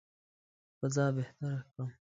فضا بهتره کړم.